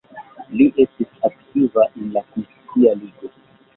Li estis aktiva en la Konscia Ligo.